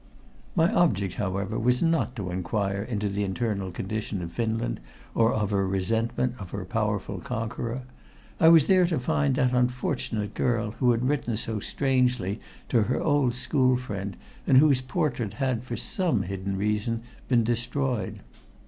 My object, however, was not to inquire into the internal condition of Finland, or of her resentment of her powerful conqueror. I was there to find that unfortunate girl who had written so strangely to her old school friend and whose portrait had, for some hidden reason, been destroyed.